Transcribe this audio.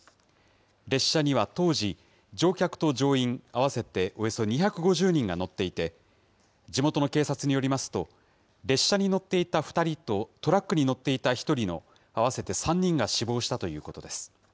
列車には当時、乗客と乗員合わせておよそ２５０人が乗っていて、地元の警察によりますと、列車に乗っていた２人とトラックに乗っていた１人の合わせて３人が死亡したということです。